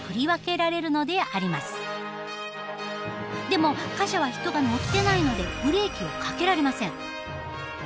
でも貨車は人が乗ってないのでブレーキをかけられません。